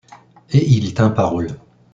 Et il tint parole.